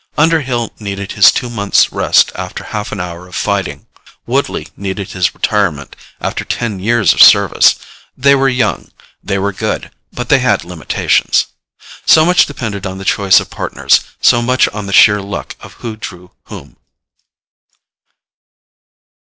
Underhill needed his two months' rest after half an hour of fighting. Woodley needed his retirement after ten years of service. They were young. They were good. But they had limitations. So much depended on the choice of Partners, so much on the sheer luck of who drew whom.